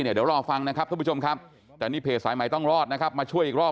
เดี๋ยวรอฟังนะครับท่านผู้ชมครับแต่นี่เพจสายใหม่ต้องรอดนะครับมาช่วยอีกรอบ